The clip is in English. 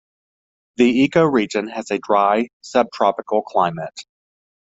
The ecoregion has a dry subtropical climate.